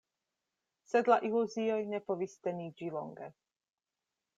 Sed la iluzioj ne povis teniĝi longe.